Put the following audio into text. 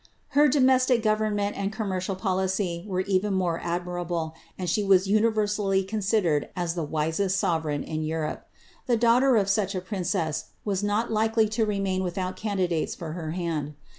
Her dome^ tic government and commercial policy were even more admirable, aad ■; she was universally considered as tlic wisest sovereign in Europe. The < daughter of such a princess was not likely to remain without candidates ^ for her hand.